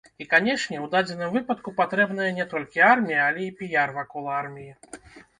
І, канечне, у дадзеным выпадку патрэбная не толькі армія, але і піяр вакол арміі.